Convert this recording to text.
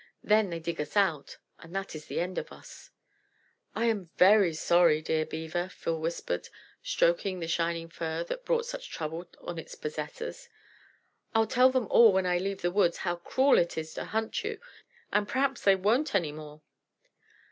Then they dig us out and that is the end of us." "I'm very sorry, dear Beaver," Phil whispered, stroking the shining fur that brought such trouble on its possessors. "I'll tell them all when I leave the woods how cruel it is to hunt you, and p'raps they won't any more."